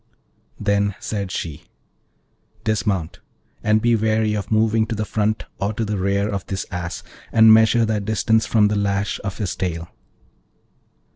Then said she, 'Dismount, and be wary of moving to the front or to the rear of this Ass, and measure thy distance from the lash of his tail.'